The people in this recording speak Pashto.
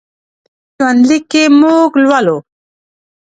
په دې ژوند لیک کې موږ لولو.